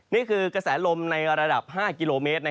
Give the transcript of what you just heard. นี่คือกระแสลมในระดับ๕กิโลเมตร